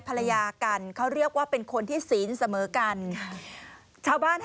ภรรยากันเขาเรียกว่าเป็นคนที่ศีลเสมอกันชาวบ้านให้